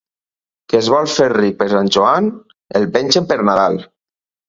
Qui es vol fer ric per Sant Joan, el pengen per Nadal.